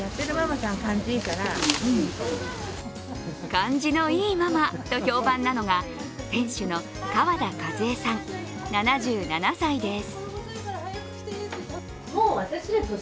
感じのいいママと評判なのが、店主の川田和枝さん、７７歳です。